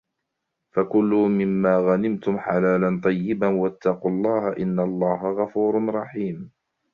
فَكُلُوا مِمَّا غَنِمْتُمْ حَلَالًا طَيِّبًا وَاتَّقُوا اللَّهَ إِنَّ اللَّهَ غَفُورٌ رَحِيمٌ